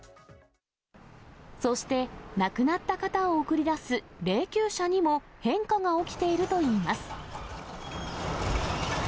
そして、亡くなった方を送り出す霊きゅう車にも、変化が起きているといいます。